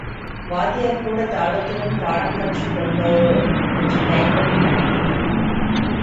வாத்தியார்கூடத் தாளத்துடன் பாடக் கற்றுக்கொண்டோரே! என்று கைகொட்டி நகைத்தனர்!